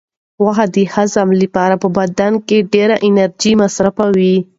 غوښه د هضم لپاره په بدن کې ډېره انرژي مصرفوي.